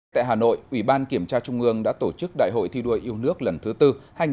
tại hà nội ủy ban kiểm tra trung ương đã tổ chức đại hội thi đua yêu nước lần thứ tư hai nghìn hai mươi hai nghìn hai mươi năm